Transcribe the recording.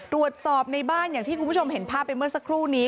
ตรวจสอบในบ้านอย่างที่คุณผู้ชมเห็นภาพไปเมื่อสักครู่นี้